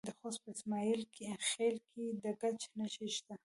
د خوست په اسماعیل خیل کې د ګچ نښې شته.